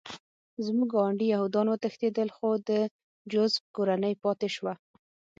زموږ ګاونډي یهودان وتښتېدل خو د جوزف کورنۍ پاتې شوه